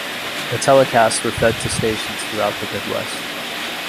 The telecasts were fed to stations throughout the Midwest.